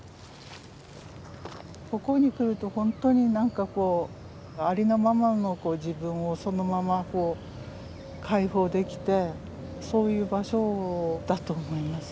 ここに来るとほんとに何かこうありのままの自分をそのまま解放できてそういう場所だと思います。